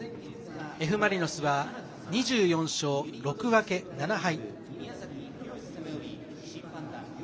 Ｆ・マリノスは２４勝６分け７敗。